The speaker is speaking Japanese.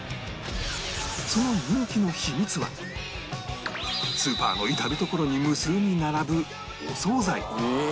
その人気の秘密はスーパーの至る所に無数に並ぶお惣菜